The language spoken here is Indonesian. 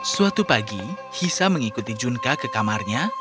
suatu pagi hisa mengikuti junka ke kamarnya